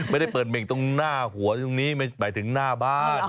ไม่ได้เปิดเหม่งตรงหน้าหัวตรงนี้หมายถึงหน้าบ้าน